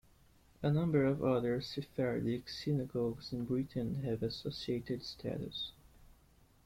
A number of other Sephardic synagogues in Britain have associated status.